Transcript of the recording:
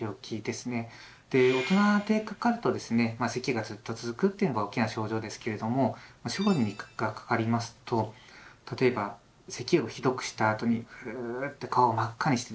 大人でかかるとですねせきがずっと続くというのが大きな症状ですけれども小児がかかりますと例えばせきをひどくしたあとにううっと顔を真っ赤にしてですね